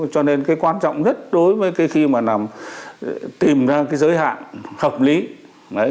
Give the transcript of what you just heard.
cho nên cái quan trọng nhất đối với cái khi mà tìm ra cái giới hạn hợp lý